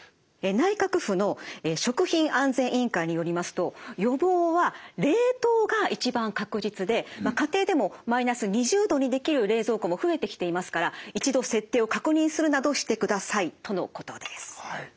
内閣府の食品安全委員会によりますと予防は冷凍が一番確実で家庭でもマイナス２０℃にできる冷蔵庫も増えてきていますから一度設定を確認するなどしてくださいとのことです。